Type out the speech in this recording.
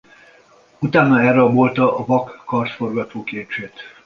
Utána elrabolta a Vak Kardforgató Kincsét.